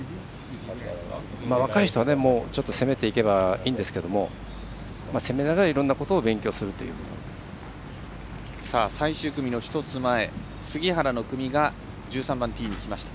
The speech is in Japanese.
若い人は、攻めていけばいいんですけど攻めながらいろんなことを最終組の１つ前杉原の組が１３番ティーにきました。